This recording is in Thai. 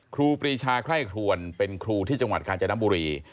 ครูปรีชาไคร่ครวนเป็นครูที่จังหวัดกาญจนบุรี